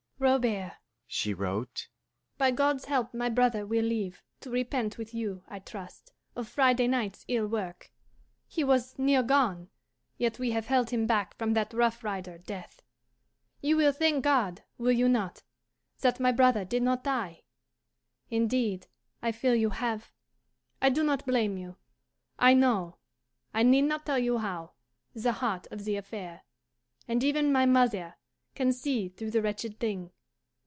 "Robert," she wrote, "by God's help my brother will live, to repent with you, I trust, of Friday night's ill work. He was near gone, yet we have held him back from that rough rider, Death. "You will thank God, will you not, that my brother did not die? Indeed, I feel you have. I do not blame you; I know I need not tell you how the heart of the affair; and even my mother can see through the wretched thing.